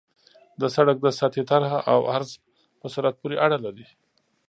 د سرک د سطحې طرح او عرض په سرعت پورې اړه لري